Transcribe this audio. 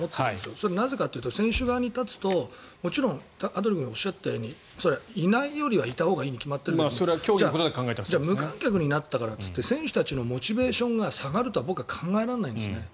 それはなぜかというと選手側に立つともちろん羽鳥君がおっしゃったようにいないよりはいるほうがいいに決まってるんだけど無観客になったからって選手のモチベーションが下がるとは僕は考えられないんですね。